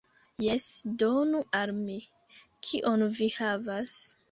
Jes, donu al mi. Kion vi havas?